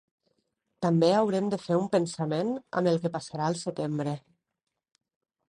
També haurem de fer un pensament amb el que passarà al setembre.